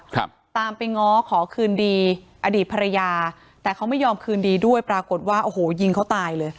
ครับตามไปง้อขอคืนดีอดีตภรรยาแต่เขาไม่ยอมคืนดีด้วยปรากฏว่าโอ้โหยิงเขาตายเลย